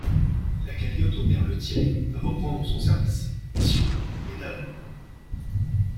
La galiote au père Lethierry va reprendre son service, messieurs, mesdames.